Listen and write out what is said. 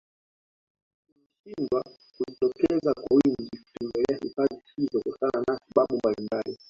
Tunashindwa kujitokeza kwa wingi kutembelea hifadhi hizo kutokana na sababu mbalimbali